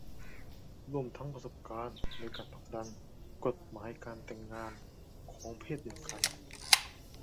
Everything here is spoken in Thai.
ร่วมทั้งประสบการณ์ในการผลักดันกฎหมายการแต่งงานของเพศเดียวกัน